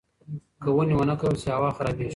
که ونې ونه کرل شي، هوا خرابېږي.